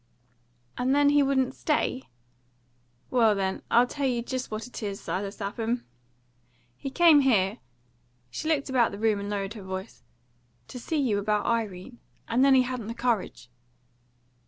"And then he wouldn't stay?" "Well, then, I'll tell you just what it is, Silas Lapham. He came here" she looked about the room and lowered her voice "to see you about Irene, and then he hadn't the courage."